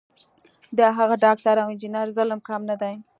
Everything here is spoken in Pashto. د هغه ډاکټر او انجینر ظلم کم نه دی.